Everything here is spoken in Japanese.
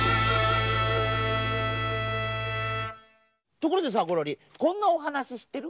ところでさゴロリこんなおはなししってる？